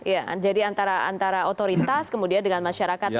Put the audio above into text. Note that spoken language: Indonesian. ya jadi antara otoritas kemudian dengan masyarakat